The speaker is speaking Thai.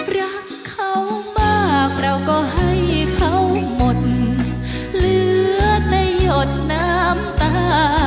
รักเขามากเราก็ให้เขาหมดเหลือแต่หยดน้ำตา